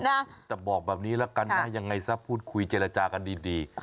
แต่บอกแบบนี้แล้วกันนะยังไงซะพูดคุยเจรจากันดี